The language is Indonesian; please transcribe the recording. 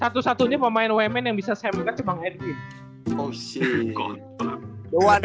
satu satunya pemain wmn yang bisa sem gat cuma ng edit